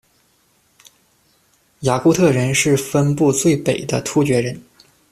雅库特人是分布最北的突厥人。